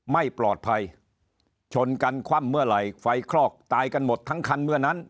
ไม่ปลอดภัยชนกันคว่ำเมื่อไหร่ไฟคลอกตายกันหมดทั้งคันเมื่อนั้น